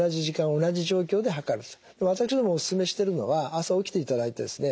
ですから私どもオススメしてるのは朝起きていただいてですね